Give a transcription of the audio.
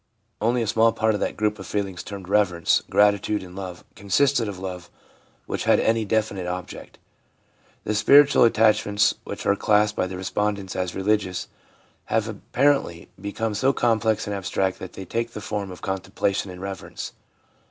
Only a small part of that group of feelings termed reverence, gratitude and love consisted of love which had any definite object. The spiritual attach ments which are classed by the respondents as religious have apparently become so complex and abstract that they take the form of contemplation and reverence.